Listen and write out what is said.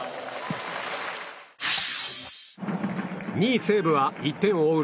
２位、西武は１点を追う